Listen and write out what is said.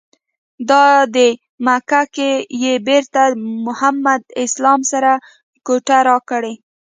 دادی مکه کې یې بېرته محمد اسلام سره کوټه راکړې.